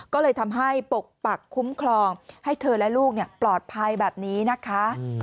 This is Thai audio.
ก็เลยทำให้ปกปักคุ้มครองให้เธอและลูกปลอดภัยแบบนี้นะคะ